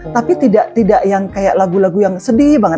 tapi tidak yang kayak lagu lagu yang sedih banget